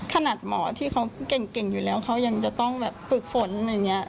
ขนาดหมอที่เขาเก่งอยู่แล้วเขายังจะต้องแบบฝึกฝนอย่างนี้